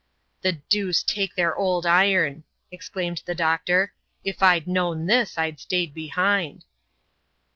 " The deuce take their old iron !" exclaimed the doctor ;" if Pd known this, I'd stayed behind."